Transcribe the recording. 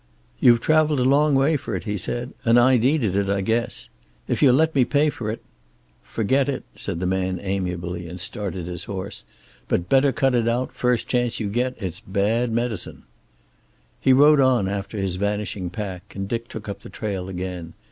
"You've traveled a long way for it," he said, "and I needed it, I guess. If you'll let me pay for it " "Forget it," said the man amiably, and started his horse. "But better cut it out, first chance you get. It's bad medicine." He rode on after his vanishing pack, and Dick took up the trail again.